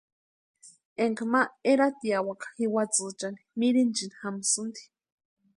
Énka ma eratiawaka jiwatsïchani mirinchini jamsïnti.